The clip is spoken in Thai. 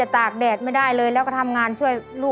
แตกด้วยเหรอ